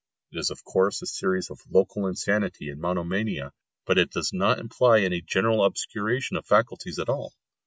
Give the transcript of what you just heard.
It is of course a species of local insanity and monomania, but it does not imply any general obscuration of faculties at all.